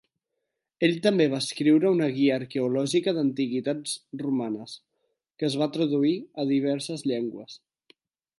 Ell també va escriure una guia arqueològica d'antiguitats romanes, que es va traduir a diverses llengües.